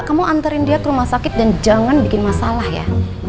kamu antarin dia ke rumah sakit dan jangan bikin masalah ya